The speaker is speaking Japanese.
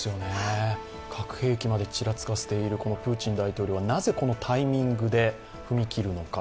核兵器までちらつかせているプーチン大統領はなぜこのタイミングで踏み切るのか。